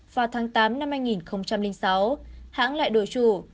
vào tháng tám năm hai nghìn sáu hãng lại đổi chủ